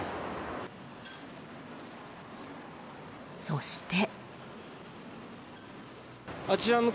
そして。